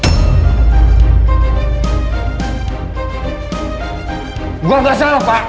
tidak ada yang bisa dianggap terlibat